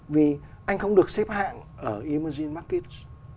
vì anh không được xếp hạng ở emerging markets